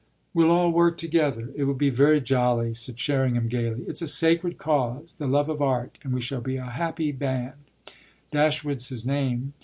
"We'll all work together; it will be very jolly," said Sherringham gaily. "It's a sacred cause, the love of art, and we shall be a happy band. Dashwood's his name?"